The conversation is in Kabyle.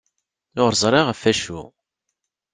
Ur ẓriɣ ɣef acu.